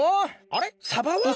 あれ？